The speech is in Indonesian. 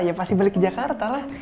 ya pasti balik ke jakarta lah